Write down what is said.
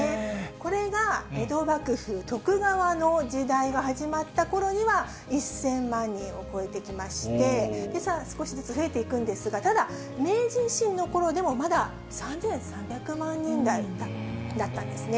これが江戸幕府、徳川の時代が始まったころには１０００万人を超えてきまして、少しずつ増えていくんですが、ただ、明治維新のころでもまだ３３００万人台だったんですね。